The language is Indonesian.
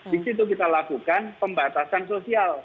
di situ kita lakukan pembatasan sosial